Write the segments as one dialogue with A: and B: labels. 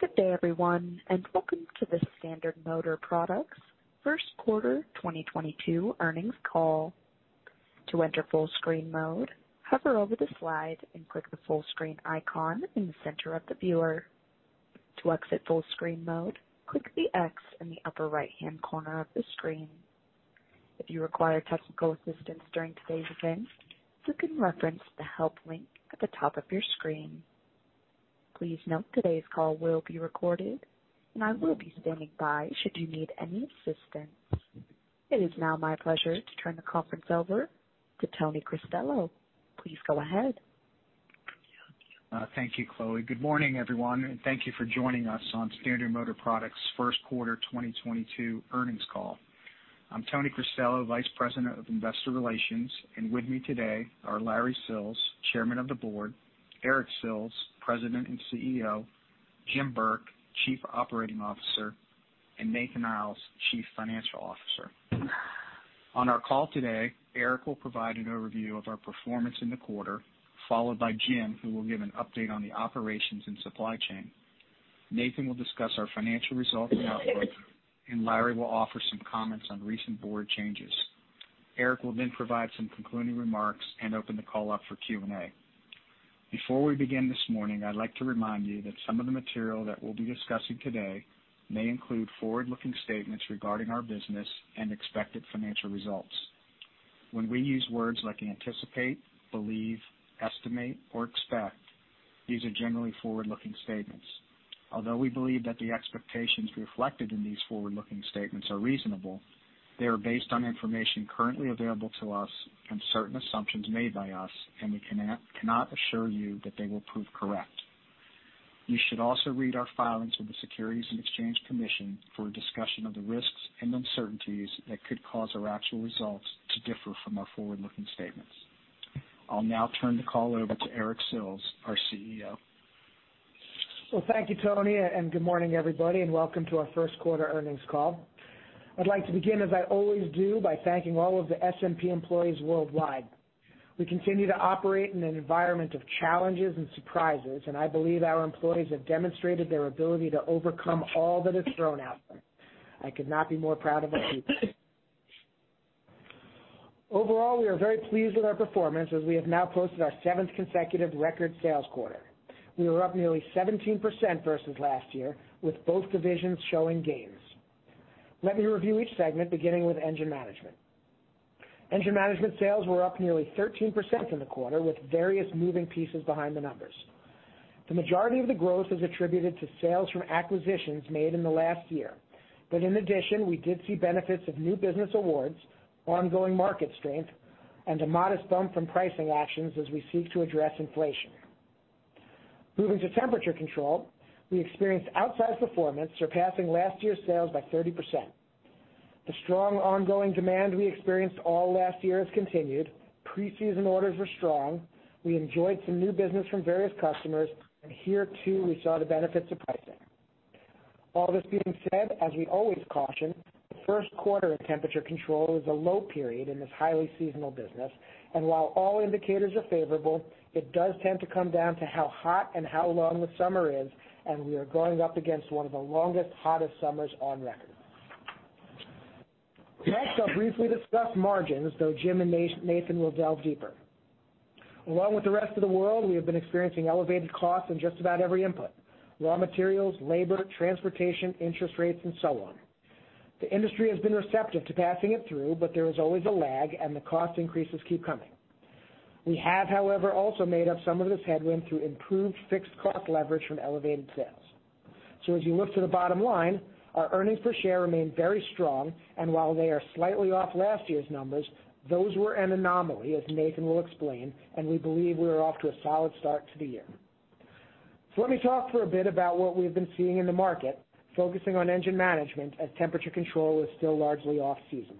A: Good day, everyone, and welcome to the Standard Motor Products First Quarter 2022 earnings call. To enter full screen mode, hover over the slide and click the full screen icon in the center of the viewer. To exit full screen mode, click the X in the upper right-hand corner of the screen. If you require technical assistance during today's event, you can reference the help link at the top of your screen. Please note today's call will be recorded and I will be standing by should you need any assistance. It is now my pleasure to turn the conference over to Tony Cristello. Please go ahead.
B: Thank you, Chloe. Good morning, everyone, and thank you for joining us on Standard Motor Products first quarter 2022 earnings call. I'm Tony Cristello, Vice President of Investor Relations, and with me today are Larry Sills, Chairman of the Board, Eric Sills, President and CEO, Jim Burke, Chief Operating Officer, and Nathan Iles, Chief Financial Officer. On our call today, Eric will provide an overview of our performance in the quarter, followed by Jim who will give an update on the operations and supply chain. Nathan will discuss our financial results and outlook, and Larry will offer some comments on recent board changes. Eric will then provide some concluding remarks and open the call up for Q&A. Before we begin this morning, I'd like to remind you that some of the material that we'll be discussing today may include forward-looking statements regarding our business and expected financial results. When we use words like anticipate, believe, estimate, or expect, these are generally forward-looking statements. Although we believe that the expectations reflected in these forward-looking statements are reasonable, they are based on information currently available to us and certain assumptions made by us, and we cannot assure you that they will prove correct. You should also read our filings with the Securities and Exchange Commission for a discussion of the risks and uncertainties that could cause our actual results to differ from our forward-looking statements. I'll now turn the call over to Eric Sills, our CEO.
C: Well, thank you, Tony, and good morning, everybody, and welcome to our first quarter earnings call. I'd like to begin, as I always do, by thanking all of the SMP employees worldwide. We continue to operate in an environment of challenges and surprises, and I believe our employees have demonstrated their ability to overcome all that is thrown at them. I could not be more proud of our people. Overall, we are very pleased with our performance as we have now posted our seventh consecutive record sales quarter. We were up nearly 17% versus last year with both divisions showing gains. Let me review each segment beginning with Engine Management. Engine Management sales were up nearly 13% in the quarter with various moving pieces behind the numbers. The majority of the growth is attributed to sales from acquisitions made in the last year. In addition, we did see benefits of new business awards, ongoing market strength, and a modest bump from pricing actions as we seek to address inflation. Moving to Temperature Control, we experienced outsized performance, surpassing last year's sales by 30%. The strong ongoing demand we experienced all last year has continued. Pre-season orders were strong. We enjoyed some new business from various customers, and here too we saw the benefits of pricing. All this being said, as we always caution, the first quarter of Temperature Control is a low period in this highly seasonal business. While all indicators are favorable, it does tend to come down to how hot and how long the summer is, and we are going up against one of the longest, hottest summers on record. Next, I'll briefly discuss margins, though Jim and Nathan will delve deeper. Along with the rest of the world, we have been experiencing elevated costs in just about every input, raw materials, labor, transportation, interest rates, and so on. The industry has been receptive to passing it through, but there is always a lag and the cost increases keep coming. We have, however, also made up some of this headwind through improved fixed cost leverage from elevated sales. As you look to the bottom line, our earnings per share remain very strong, and while they are slightly off last year's numbers, those were an anomaly, as Nathan will explain, and we believe we are off to a solid start to the year. Let me talk for a bit about what we've been seeing in the market, focusing on Engine Management as Temperature Control is still largely off-season.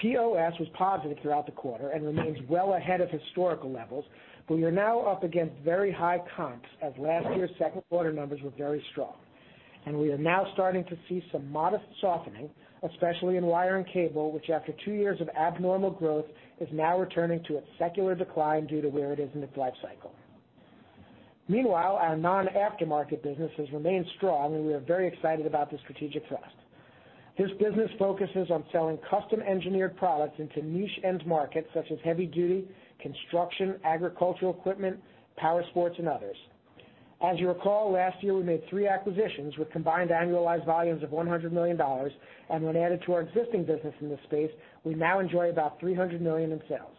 C: POS was positive throughout the quarter and remains well ahead of historical levels, but we are now up against very high comps as last year's second quarter numbers were very strong. We are now starting to see some modest softening, especially in wire and cable, which after two years of abnormal growth, is now returning to its secular decline due to where it is in its life cycle. Meanwhile, our non-aftermarket business has remained strong, and we are very excited about the strategic thrust. This business focuses on selling custom-engineered products into niche end markets such as heavy duty, construction, agricultural equipment, power sports, and others. As you recall, last year we made three acquisitions with combined annualized volumes of $100 million. When added to our existing business in this space, we now enjoy about $300 million in sales.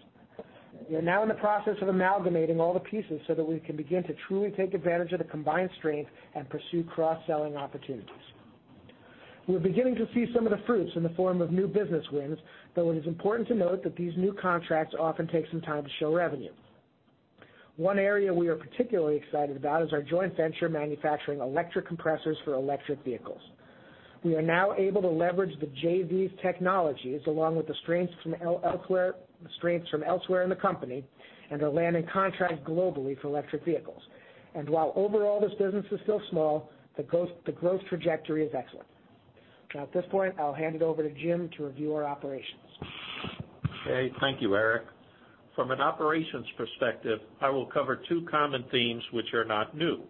C: We are now in the process of amalgamating all the pieces so that we can begin to truly take advantage of the combined strength and pursue cross-selling opportunities. We're beginning to see some of the fruits in the form of new business wins, though it is important to note that these new contracts often take some time to show revenue. One area we are particularly excited about is our joint venture manufacturing electric compressors for electric vehicles. We are now able to leverage the JV's technologies along with the strengths from elsewhere in the company and are landing contracts globally for electric vehicles. While overall this business is still small, the growth trajectory is excellent. Now at this point, I'll hand it over to Jim to review our operations.
D: Okay. Thank you, Eric. From an operations perspective, I will cover two common themes which are not new.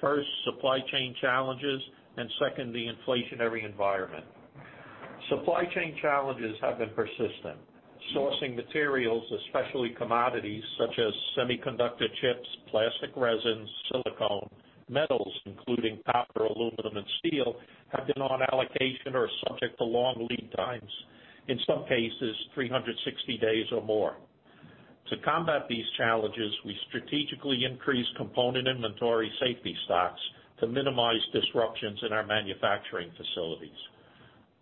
D: First, supply chain challenges, and second, the inflationary environment. Supply chain challenges have been persistent. Sourcing materials, especially commodities such as semiconductor chips, plastic resins, silicone, metals, including copper, aluminum, and steel, have been on allocation or subject to long lead times. In some cases, 360 days or more. To combat these challenges, we strategically increased component inventory safety stocks to minimize disruptions in our manufacturing facilities.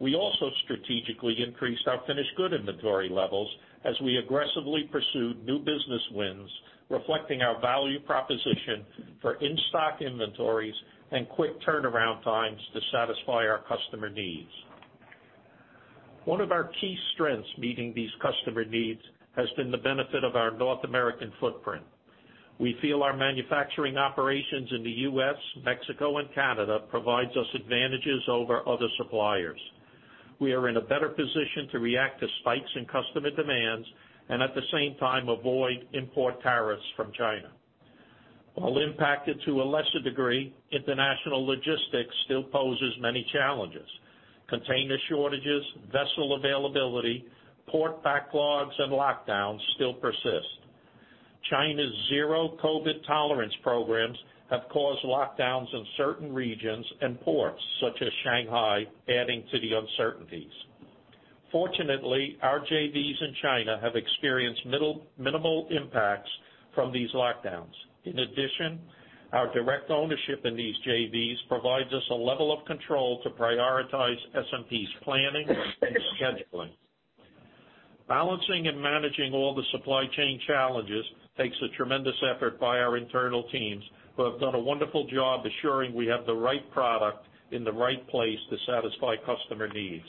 D: We also strategically increased our finished good inventory levels as we aggressively pursued new business wins, reflecting our value proposition for in-stock inventories and quick turnaround times to satisfy our customer needs. One of our key strengths meeting these customer needs has been the benefit of our North American footprint. We feel our manufacturing operations in the U.S., Mexico, and Canada provides us advantages over other suppliers. We are in a better position to react to spikes in customer demands and at the same time avoid import tariffs from China. While impacted to a lesser degree, international logistics still poses many challenges. Container shortages, vessel availability, port backlogs, and lockdowns still persist. China's zero COVID tolerance programs have caused lockdowns in certain regions and ports such as Shanghai, adding to the uncertainties. Fortunately, our JVs in China have experienced minimal impacts from these lockdowns. In addition, our direct ownership in these JVs provides us a level of control to prioritize SMP's planning and scheduling. Balancing and managing all the supply chain challenges takes a tremendous effort by our internal teams who have done a wonderful job assuring we have the right product in the right place to satisfy customer needs.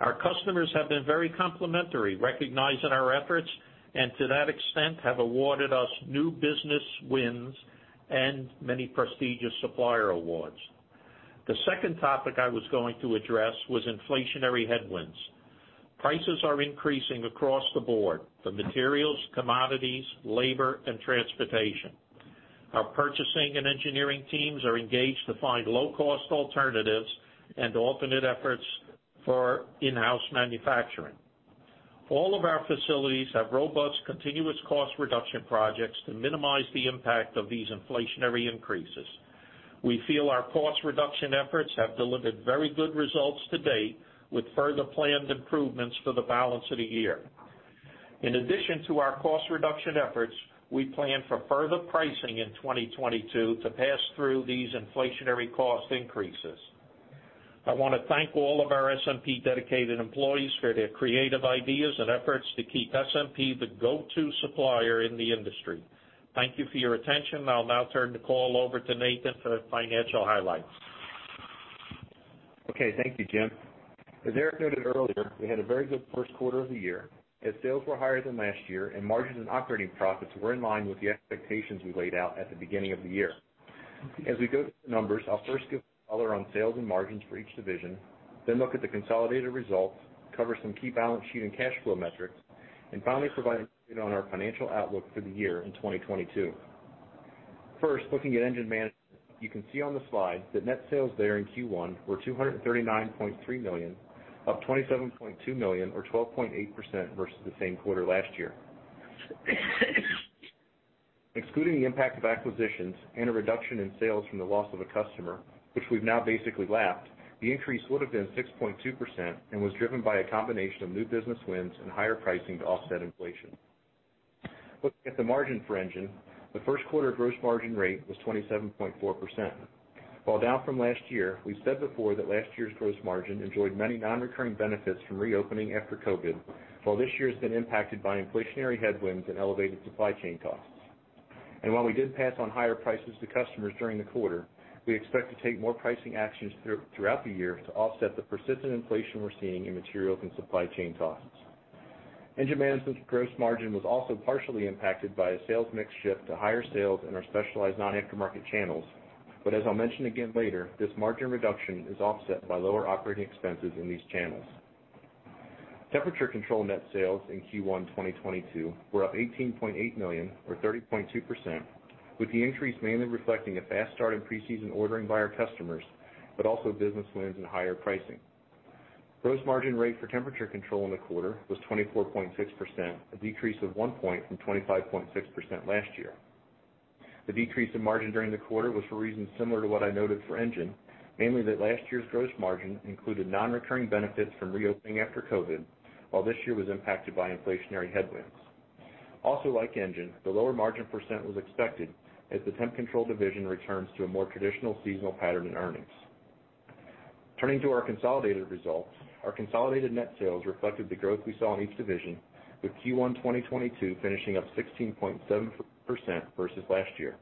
D: Our customers have been very complimentary, recognizing our efforts, and to that extent, have awarded us new business wins and many prestigious supplier awards. The second topic I was going to address was inflationary headwinds. Prices are increasing across the board for materials, commodities, labor, and transportation. Our purchasing and engineering teams are engaged to find low-cost alternatives and alternate efforts for in-house manufacturing. All of our facilities have robust continuous cost reduction projects to minimize the impact of these inflationary increases. We feel our cost reduction efforts have delivered very good results to date, with further planned improvements for the balance of the year. In addition to our cost reduction efforts, we plan for further pricing in 2022 to pass through these inflationary cost increases. I wanna thank all of our SMP dedicated employees for their creative ideas and efforts to keep SMP the go-to supplier in the industry. Thank you for your attention. I'll now turn the call over to Nathan for the financial highlights.
E: Okay. Thank you, Jim. As Eric noted earlier, we had a very good first quarter of the year, as sales were higher than last year, and margins and operating profits were in line with the expectations we laid out at the beginning of the year. As we go through the numbers, I'll first give a color on sales and margins for each division, then look at the consolidated results, cover some key balance sheet and cash flow metrics, and finally, provide an update on our financial outlook for the year in 2022. First, looking at Engine Management, you can see on the slide that net sales there in Q1 were $239.3 million, up $27.2 million or 12.8% versus the same quarter last year. Excluding the impact of acquisitions and a reduction in sales from the loss of a customer, which we've now basically lapped, the increase would have been 6.2% and was driven by a combination of new business wins and higher pricing to offset inflation. Looking at the margin for Engine, the first quarter gross margin rate was 27.4%. While down from last year, we've said before that last year's gross margin enjoyed many non-recurring benefits from reopening after COVID, while this year's been impacted by inflationary headwinds and elevated supply chain costs. While we did pass on higher prices to customers during the quarter, we expect to take more pricing actions throughout the year to offset the persistent inflation we're seeing in material and supply chain costs. Engine Management's gross margin was also partially impacted by a sales mix shift to higher sales in our specialized non-aftermarket channels. As I'll mention again later, this margin reduction is offset by lower operating expenses in these channels. Temperature Control net sales in Q1 2022 were up $18.8 million or 30.2%, with the increase mainly reflecting a fast start in preseason ordering by our customers, but also business wins and higher pricing. Gross margin rate for Temperature Control in the quarter was 24.6%, a decrease of one point from 25.6% last year. The decrease in margin during the quarter was for reasons similar to what I noted for Engine. Mainly that last year's gross margin included non-recurring benefits from reopening after COVID, while this year was impacted by inflationary headwinds. Also like Engine, the lower margin percent was expected as the Temp Control division returns to a more traditional seasonal pattern in earnings. Turning to our consolidated results, our consolidated net sales reflected the growth we saw in each division, with Q1 2022 finishing up 16.7% versus last year.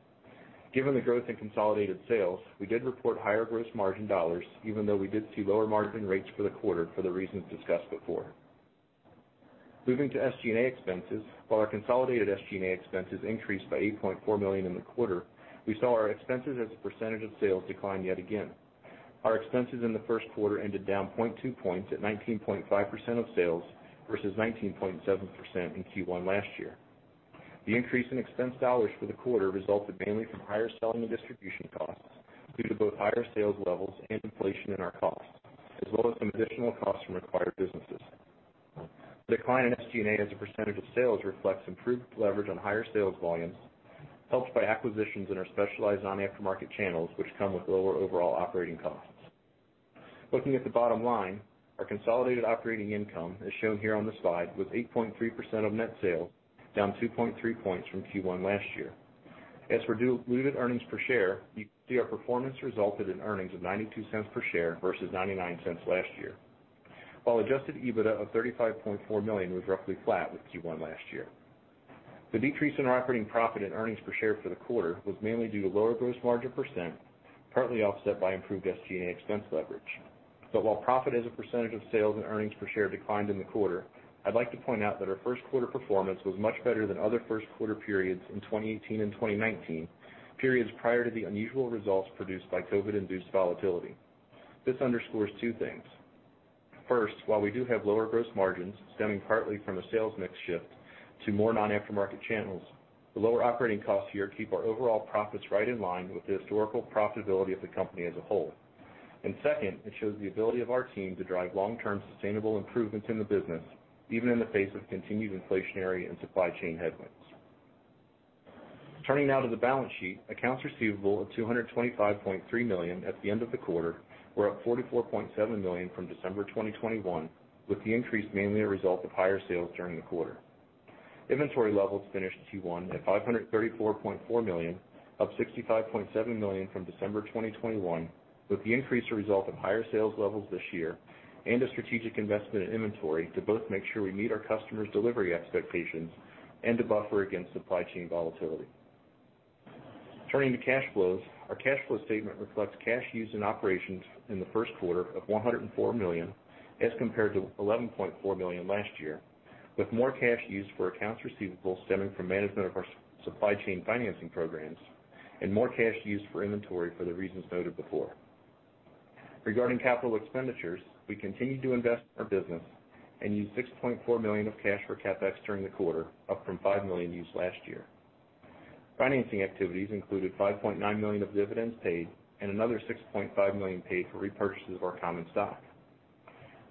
E: Given the growth in consolidated sales, we did report higher gross margin dollars, even though we did see lower margin rates for the quarter for the reasons discussed before. Moving to SG&A expenses. While our consolidated SG&A expenses increased by $8.4 million in the quarter, we saw our expenses as a percentage of sales decline yet again. Our expenses in the first quarter ended down 0.2 points at 19.5% of sales versus 19.7% in Q1 last year. The increase in expense dollars for the quarter resulted mainly from higher selling and distribution costs due to both higher sales levels and inflation in our costs, as well as some additional costs from acquired businesses. The decline in SG&A as a percentage of sales reflects improved leverage on higher sales volumes, helped by acquisitions in our specialized non-aftermarket channels, which come with lower overall operating costs. Looking at the bottom line, our consolidated operating income, as shown here on the slide, was 8.3% of net sales, down 2.3 points from Q1 last year. As for diluted earnings per share, you can see our performance resulted in earnings of $0.92 per share versus $0.99 last year, while adjusted EBITDA of $35.4 million was roughly flat with Q1 last year. The decrease in our operating profit and earnings per share for the quarter was mainly due to lower gross margin %, partly offset by improved SG&A expense leverage. While profit as a percentage of sales and earnings per share declined in the quarter, I'd like to point out that our first quarter performance was much better than other first quarter periods in 2018 and 2019, periods prior to the unusual results produced by COVID-induced volatility. This underscores two things. First, while we do have lower gross margins, stemming partly from a sales mix shift to more non-aftermarket channels, the lower operating costs here keep our overall profits right in line with the historical profitability of the company as a whole. Second, it shows the ability of our team to drive long-term sustainable improvements in the business, even in the face of continued inflationary and supply chain headwinds. Turning now to the balance sheet. Accounts receivable of $225.3 million at the end of the quarter were up $44.7 million from December 2021, with the increase mainly a result of higher sales during the quarter. Inventory levels finished Q1 at $534.4 million, up $65.7 million from December 2021, with the increase a result of higher sales levels this year and a strategic investment in inventory to both make sure we meet our customers' delivery expectations and to buffer against supply chain volatility. Turning to cash flows. Our cash flow statement reflects cash used in operations in the first quarter of $104 million as compared to $11.4 million last year, with more cash used for accounts receivable stemming from management of our supply chain financing programs and more cash used for inventory for the reasons noted before. Regarding capital expenditures, we continued to invest in our business and used $6.4 million of cash for CapEx during the quarter, up from $5 million used last year. Financing activities included $5.9 million of dividends paid and another $6.5 million paid for repurchases of our common stock.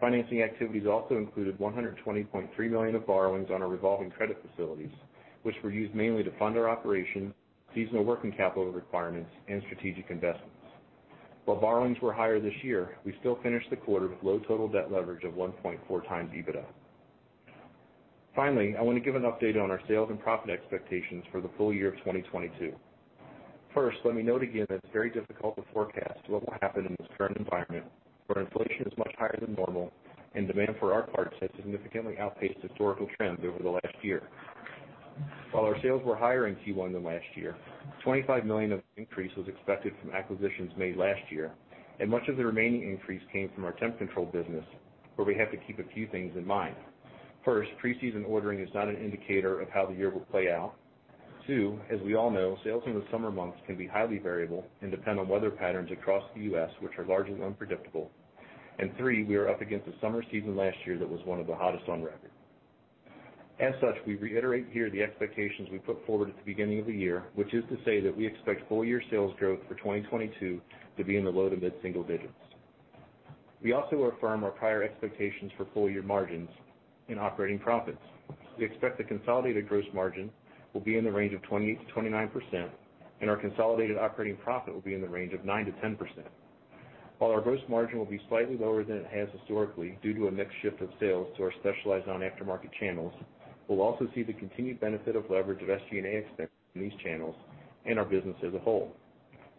E: Financing activities also included $120.3 million of borrowings on our revolving credit facilities, which were used mainly to fund our operations, seasonal working capital requirements, and strategic investments. While borrowings were higher this year, we still finished the quarter with low total debt leverage of 1.4 times EBITDA. Finally, I wanna give an update on our sales and profit expectations for the full year of 2022. First, let me note again that it's very difficult to forecast what will happen in this current environment, where inflation is much higher than normal and demand for our parts has significantly outpaced historical trends over the last year. While our sales were higher in Q1 than last year, $25 million of increase was expected from acquisitions made last year, and much of the remaining increase came from our Temperature Control business, where we have to keep a few things in mind. First, preseason ordering is not an indicator of how the year will play out. Two, as we all know, sales in the summer months can be highly variable and depend on weather patterns across the U.S., which are largely unpredictable. Three, we are up against a summer season last year that was one of the hottest on record. As such, we reiterate here the expectations we put forward at the beginning of the year, which is to say that we expect full year sales growth for 2022 to be in the low to mid single digits. We also affirm our prior expectations for full year margins in operating profits. We expect the consolidated gross margin will be in the range of 20%-29%, and our consolidated operating profit will be in the range of 9%-10%. While our gross margin will be slightly lower than it has historically due to a mix shift of sales to our specialized non-aftermarket channels, we'll also see the continued benefit of leverage of SG&A expense in these channels and our business as a whole.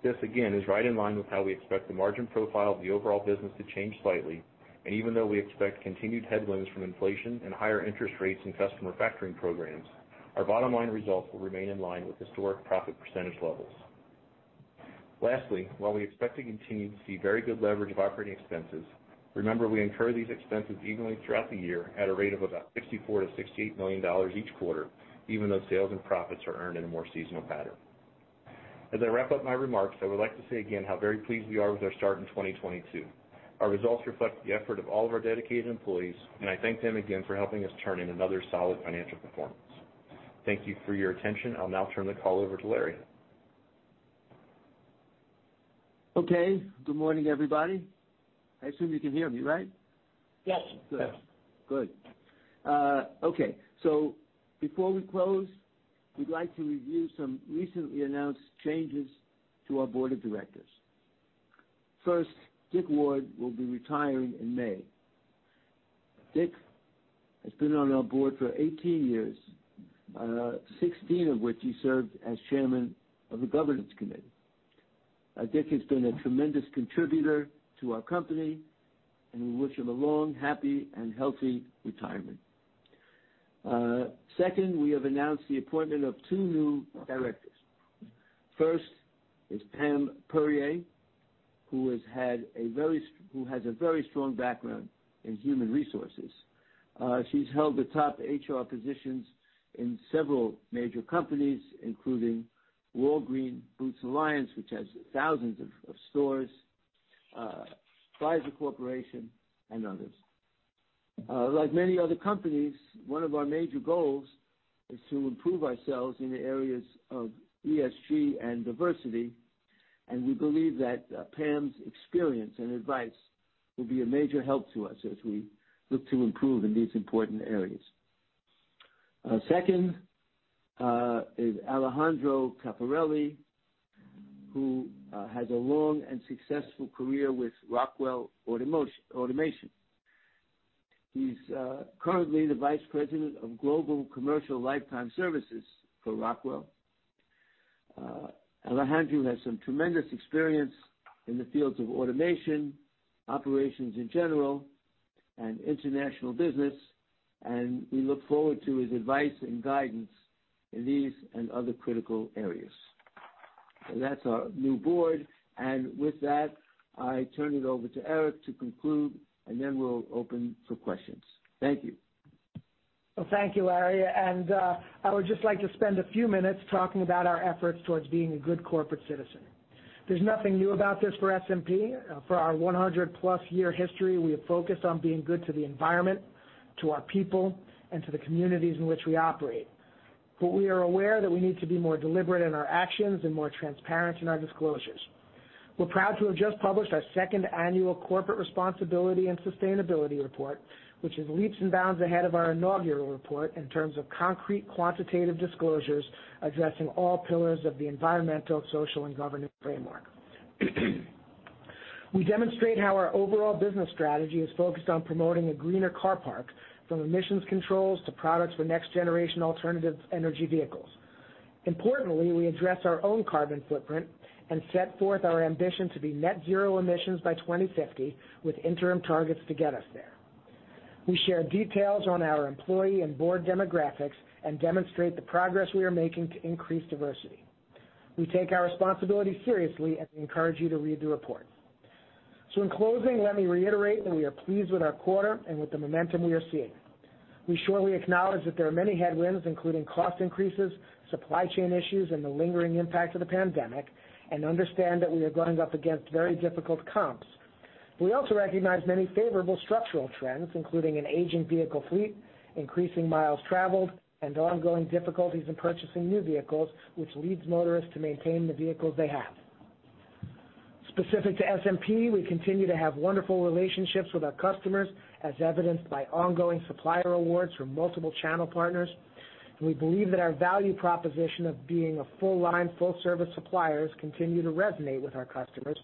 E: This, again, is right in line with how we expect the margin profile of the overall business to change slightly. Even though we expect continued headwinds from inflation and higher interest rates in customer factoring programs, our bottom line results will remain in line with historic profit percentage levels. Lastly, while we expect to continue to see very good leverage of operating expenses, remember we incur these expenses evenly throughout the year at a rate of about $64 million-$68 million each quarter, even though sales and profits are earned in a more seasonal pattern. As I wrap up my remarks, I would like to say again how very pleased we are with our start in 2022. Our results reflect the effort of all of our dedicated employees, and I thank them again for helping us turn in another solid financial performance. Thank you for your attention. I'll now turn the call over to Larry.
F: Okay. Good morning, everybody. I assume you can hear me, right?
E: Yes.
F: Before we close, we'd like to review some recently announced changes to our board of directors. First, Dick Ward will be retiring in May. Dick has been on our board for 18 years, 16 of which he served as chairman of the governance committee. Dick has been a tremendous contributor to our company, and we wish him a long, happy, and healthy retirement. Second, we have announced the appointment of two new directors. First is Pam Puryear, who has a very strong background in human resources. She's held the top HR positions in several major companies, including Walgreens Boots Alliance, which has thousands of stores, Pfizer Corporation and others. Like many other companies, one of our major goals is to improve ourselves in the areas of ESG and diversity, and we believe that Pam's experience and advice will be a major help to us as we look to improve in these important areas. Second, is Alejandro Capparelli, who has a long and successful career with Rockwell Automation. He's currently the vice president of Global Commercial Lifecycle Services for Rockwell. Alejandro has some tremendous experience in the fields of automation, operations in general, and international business, and we look forward to his advice and guidance in these and other critical areas. That's our new board. With that, I turn it over to Eric to conclude, and then we'll open for questions. Thank you.
C: Well, thank you, Larry. I would just like to spend a few minutes talking about our efforts towards being a good corporate citizen. There's nothing new about this for SMP. For our 100-plus year history, we have focused on being good to the environment, to our people, and to the communities in which we operate. We are aware that we need to be more deliberate in our actions and more transparent in our disclosures. We're proud to have just published our second annual Corporate Responsibility and Sustainability Report, which is leaps and bounds ahead of our inaugural report in terms of concrete quantitative disclosures addressing all pillars of the environmental, social, and governance framework. We demonstrate how our overall business strategy is focused on promoting a greener car park, from emissions controls to products for next generation alternative energy vehicles. Importantly, we address our own carbon footprint and set forth our ambition to be net zero emissions by 2050, with interim targets to get us there. We share details on our employee and board demographics and demonstrate the progress we are making to increase diversity. We take our responsibility seriously, and we encourage you to read the report. In closing, let me reiterate that we are pleased with our quarter and with the momentum we are seeing. We surely acknowledge that there are many headwinds, including cost increases, supply chain issues, and the lingering impact of the pandemic, and understand that we are going up against very difficult comps. We also recognize many favorable structural trends, including an aging vehicle fleet, increasing miles traveled, and ongoing difficulties in purchasing new vehicles, which leads motorists to maintain the vehicles they have. Specific to SMP, we continue to have wonderful relationships with our customers, as evidenced by ongoing supplier awards from multiple channel partners. We believe that our value proposition of being a full line, full service suppliers continue to resonate with our customers,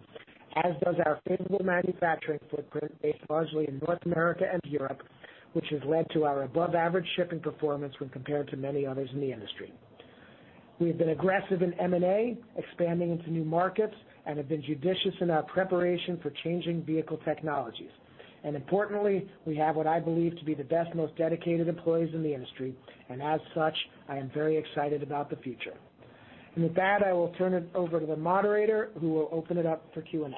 C: as does our favorable manufacturing footprint based largely in North America and Europe, which has led to our above average shipping performance when compared to many others in the industry. We have been aggressive in M&A, expanding into new markets, and have been judicious in our preparation for changing vehicle technologies. Importantly, we have what I believe to be the best, most dedicated employees in the industry. As such, I am very excited about the future. With that, I will turn it over to the moderator who will open it up for Q&A.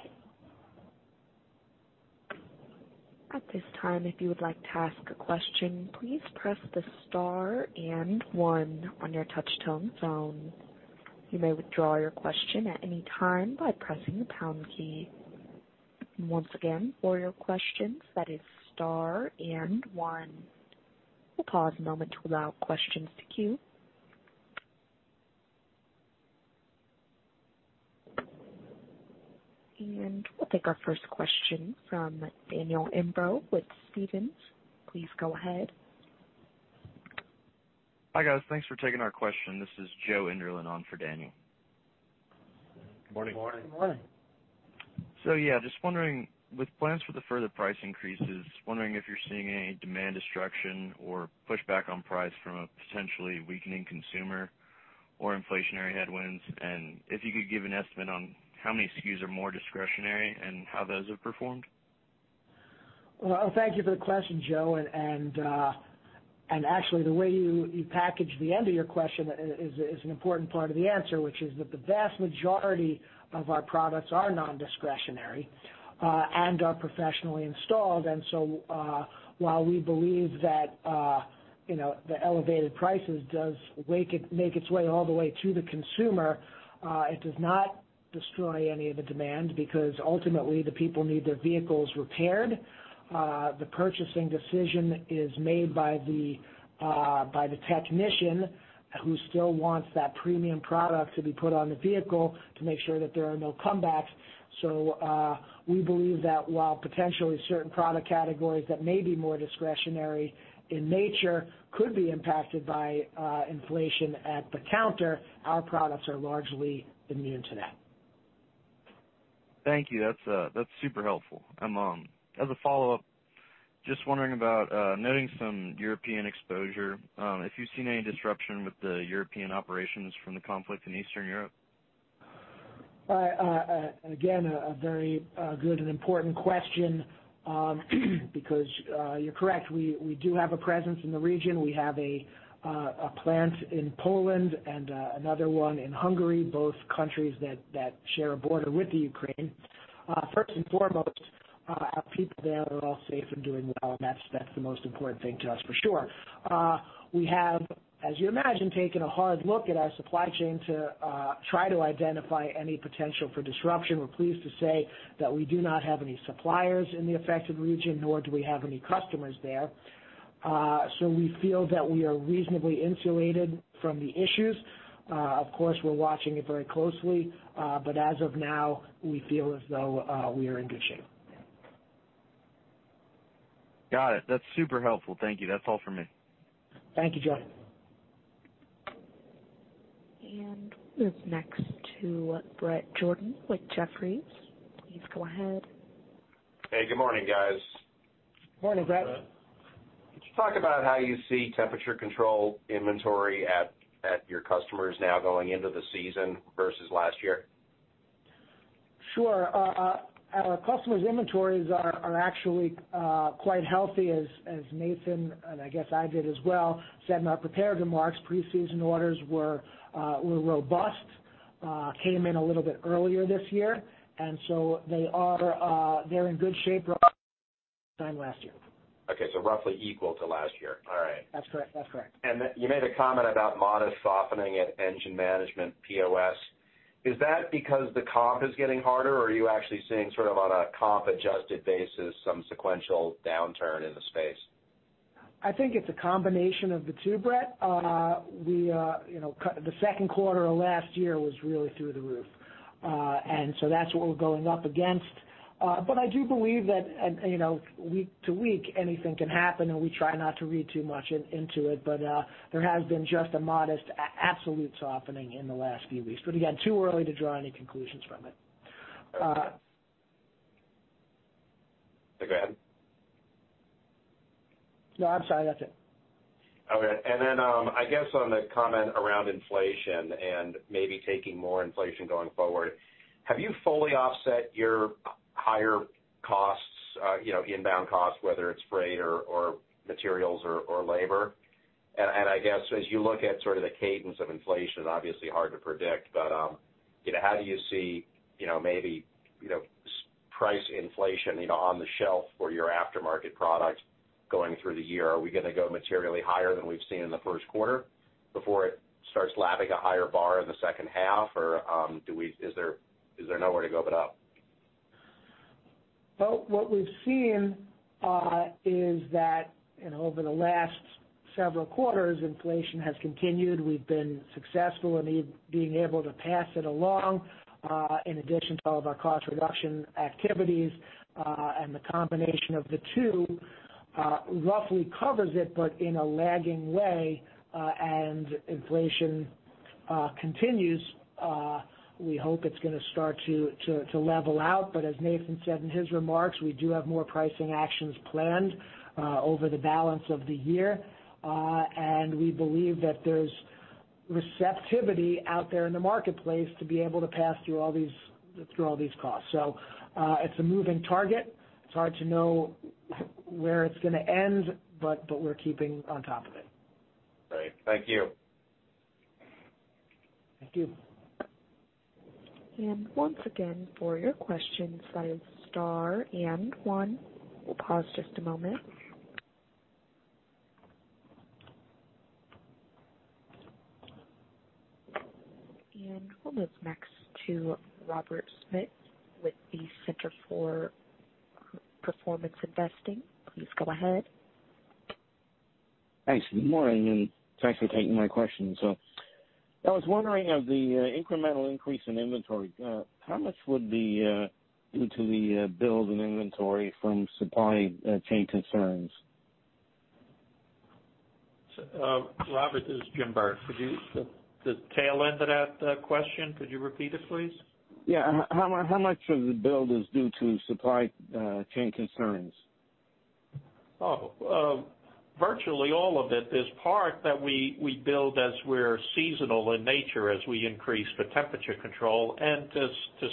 A: At this time, if you would like to ask a question, please press the star and one on your touch tone phone. You may withdraw your question at any time by pressing the pound key. Once again, for your questions, that is star and one. We'll pause a moment to allow questions to queue. We'll take our first question from Daniel Imbro with Stephens. Please go ahead.
G: Hi, guys. Thanks for taking our question. This is Joe Enderlin on for Daniel.
F: Good morning.
C: Good morning.
A: Good morning.
G: Yeah, just wondering, with plans for the further price increases, wondering if you're seeing any demand destruction or pushback on price from a potentially weakening consumer or inflationary headwinds. If you could give an estimate on how many SKUs are more discretionary and how those have performed.
C: Well, thank you for the question, Joe. Actually, the way you package the end of your question is an important part of the answer, which is that the vast majority of our products are non-discretionary and are professionally installed. While we believe that, you know, the elevated prices does make its way all the way to the consumer, it does not destroy any of the demand because ultimately the people need their vehicles repaired. The purchasing decision is made by the technician who still wants that premium product to be put on the vehicle to make sure that there are no comebacks. We believe that while potentially certain product categories that may be more discretionary in nature could be impacted by inflation at the counter, our products are largely immune to that.
G: Thank you. That's super helpful. As a follow-up, just wondering about noting some European exposure, if you've seen any disruption with the European operations from the conflict in Eastern Europe.
C: Again, a very good and important question, because you're correct. We do have a presence in the region. We have a plant in Poland and another one in Hungary, both countries that share a border with the Ukraine. First and foremost, our people there are all safe and doing well, and that's the most important thing to us for sure. We have, as you imagine, taken a hard look at our supply chain to try to identify any potential for disruption. We're pleased to say that we do not have any suppliers in the affected region, nor do we have any customers there. We feel that we are reasonably insulated from the issues. Of course, we're watching it very closely, but as of now, we feel as though we are in good shape.
G: Got it. That's super helpful. Thank you. That's all for me.
C: Thank you, John.
A: We're next to Bret Jordan with Jefferies. Please go ahead.
H: Hey, good morning, guys.
C: Morning, Bret.
H: Could you talk about how you see Temperature Control inventory at your customers now going into the season versus last year?
C: Sure. Our customers' inventories are actually quite healthy as Nathan and I guess I did as well said in our prepared remarks. Pre-season orders were robust, came in a little bit earlier this year, and so they're in good shape this time last year.
H: Okay. Roughly equal to last year. All right.
C: That's correct.
H: Then you made a comment about modest softening at Engine Management POS. Is that because the comp is getting harder, or are you actually seeing sort of on a comp adjusted basis some sequential downturn in the space?
C: I think it's a combination of the two, Bret. You know, the second quarter of last year was really through the roof. That's what we're going up against. I do believe that, and you know week to week anything can happen, and we try not to read too much into it, but there has been just a modest absolute softening in the last few weeks. Again, too early to draw any conclusions from it.
H: Go ahead.
C: No, I'm sorry. That's it.
H: Okay. I guess on the comment around inflation and maybe taking more inflation going forward, have you fully offset your pay higher costs, you know, inbound costs, whether it's freight or materials or labor? I guess as you look at sort of the cadence of inflation, obviously hard to predict, but you know, how do you see, you know, maybe, you know, so price inflation, you know, on the shelf for your aftermarket products going through the year? Are we gonna go materially higher than we've seen in the first quarter before it starts lapping a higher bar in the second half? Or, is there nowhere to go but up?
C: Well, what we've seen is that, you know, over the last several quarters, inflation has continued. We've been successful in it being able to pass it along, in addition to all of our cost reduction activities, and the combination of the two roughly covers it, but in a lagging way, and inflation continues. We hope it's gonna start to level out, but as Nathan said in his remarks, we do have more pricing actions planned over the balance of the year. And we believe that there's receptivity out there in the marketplace to be able to pass through all these costs. It's a moving target. It's hard to know where it's gonna end, but we're keeping on top of it.
H: Great. Thank you.
C: Thank you.
A: Once again, for your questions, dial star and one. We'll pause just a moment. We'll move next to Robert Smith with the Center for Performance Investing. Please go ahead.
I: Thanks. Good morning, and thanks for taking my questions. I was wondering of the incremental increase in inventory, how much would be due to the build in inventory from supply chain concerns?
D: Robert, this is Jim Burke. Could you repeat the tail end of that question, please?
I: Yeah. How much of the build is due to supply chain concerns?
D: Virtually all of it. There's part that we build as we're seasonal in nature, as we increase for Temperature Control and to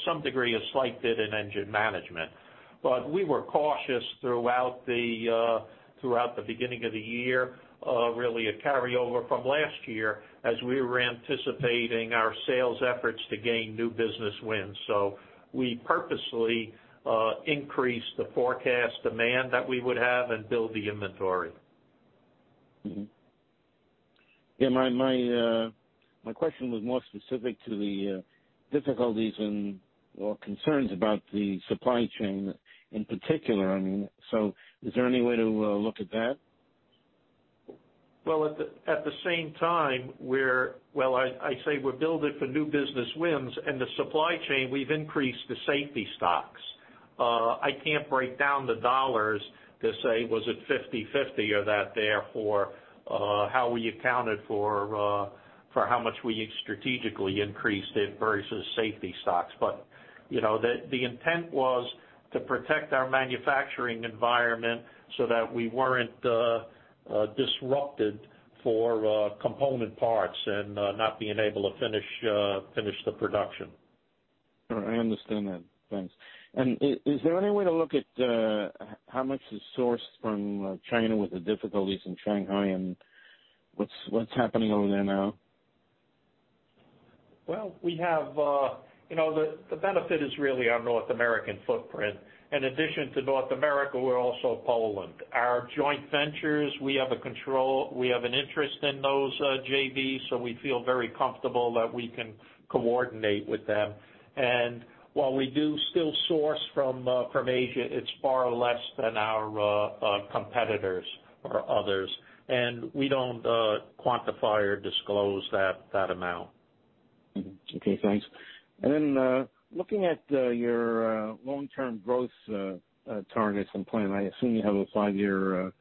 D: some degree, a slight bit in Engine Management. We were cautious throughout the beginning of the year, really a carryover from last year as we were anticipating our sales efforts to gain new business wins. We purposely increased the forecast demand that we would have and build the inventory.
I: Mm-hmm. Yeah, my question was more specific to the difficulties and/or concerns about the supply chain in particular. I mean, is there any way to look at that?
D: Well, at the same time, I say we're building for new business wins. In the supply chain, we've increased the safety stocks. I can't break down the dollars to say was it 50-50 or that therefore how we accounted for how much we strategically increased it versus safety stocks, but you know, the intent was to protect our manufacturing environment so that we weren't disrupted for component parts and not being able to finish the production.
I: All right, I understand that. Thanks. Is there any way to look at how much is sourced from China with the difficulties in Shanghai and what's happening over there now?
D: Well, we have, you know, the benefit is really our North American footprint. In addition to North America, we're also Poland. Our joint ventures, we have control, we have an interest in those JVs, so we feel very comfortable that we can coordinate with them. While we do still source from Asia, it's far less than our competitors or others, and we don't quantify or disclose that amount.
I: Mm-hmm. Okay, thanks. Looking at your long-term growth targets and planning, I assume you have a five-year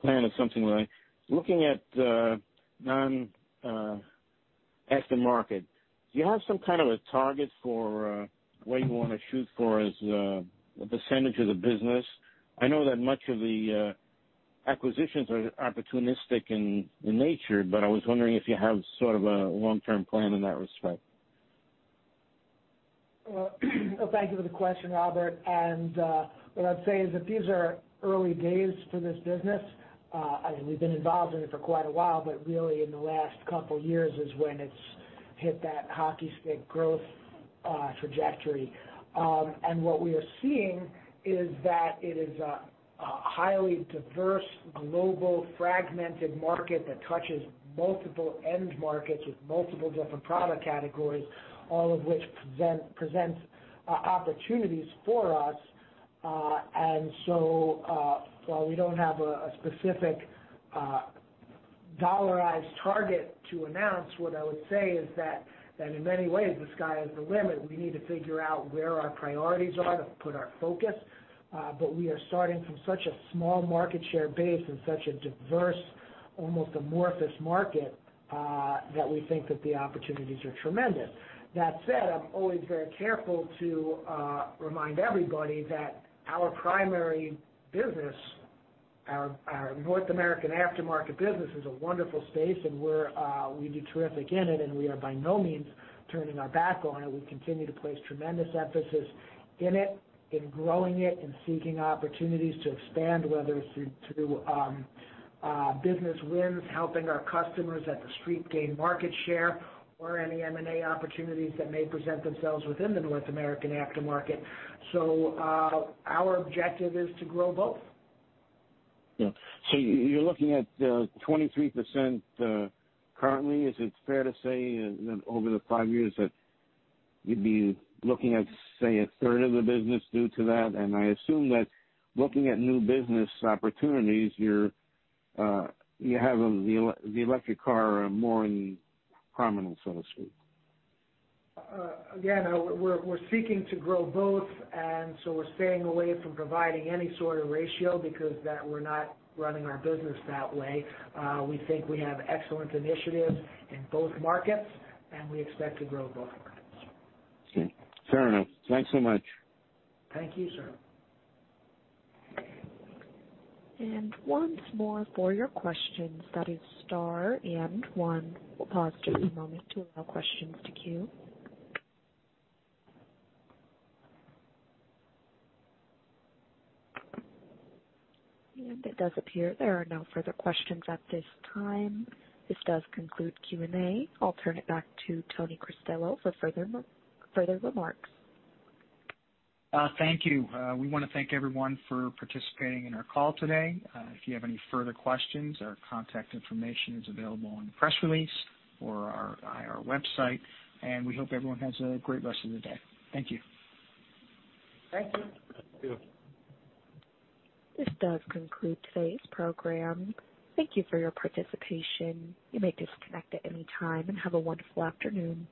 I: plan or something like. Looking at non aftermarket, do you have some kind of a target for what you wanna shoot for as a percentage of the business? I know that much of the acquisitions are opportunistic in nature, but I was wondering if you have sort of a long-term plan in that respect.
C: Well, thank you for the question, Robert. What I'd say is that these are early days for this business. I mean, we've been involved in it for quite a while, but really in the last couple years is when it's hit that hockey stick growth trajectory. What we are seeing is that it is a highly diverse global fragmented market that touches multiple end markets with multiple different product categories, all of which presents opportunities for us. While we don't have a specific dollarized target to announce, what I would say is that in many ways the sky is the limit. We need to figure out where our priorities are to put our focus. we are starting from such a small market share base and such a diverse, almost amorphous market, that we think that the opportunities are tremendous. That said, I'm always very careful to remind everybody that our primary business, our North American aftermarket business is a wonderful space and we do terrific in it and we are by no means turning our back on it. We continue to place tremendous emphasis in it, in growing it, in seeking opportunities to expand, whether it's through business wins, helping our customers at the street gain market share or any M&A opportunities that may present themselves within the North American aftermarket. our objective is to grow both.
I: Yeah. You're looking at 23%, currently. Is it fair to say that over the five years that you'd be looking at, say, a third of the business due to that? I assume that looking at new business opportunities, you have the electric car more in prominence, so to speak.
C: Again, we're seeking to grow both, and so we're staying away from providing any sort of ratio because that we're not running our business that way. We think we have excellent initiatives in both markets, and we expect to grow both.
I: Okay. Fair enough. Thanks so much.
C: Thank you, sir.
A: Once more for your questions, that is star and one. We'll pause just a moment to allow questions to queue. It does appear there are no further questions at this time. This does conclude Q&A. I'll turn it back to Anthony Cristello for further remarks.
B: Thank you. We wanna thank everyone for participating in our call today. If you have any further questions, our contact information is available in the press release or our IR website, and we hope everyone has a great rest of the day. Thank you.
C: Thank you.
I: Thank you.
A: This does conclude today's program. Thank you for your participation. You may disconnect at any time, and have a wonderful afternoon.